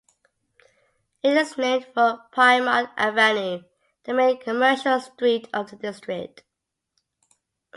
It is named for Piedmont Avenue, the main commercial street of the district.